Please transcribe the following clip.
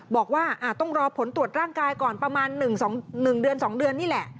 บอกว่าต้องรอผลตรวจร่างกายก่อนประมาณ๑เดือน๒เดือนนี่แหละ